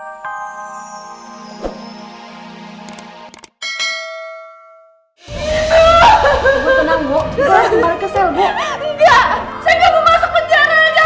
enggak saya gak mau masuk penjara aja